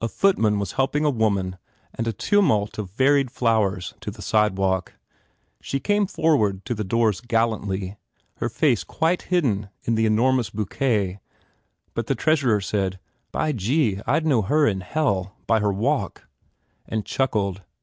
A footman was helping a woman and a tumult of varied flowers to the sidewalk. She came toward the doors gallantly, her face quite hidden in the enormous bouquet but the treasurer said, "By gee, I d know her in hell, by her walk," and chuckled.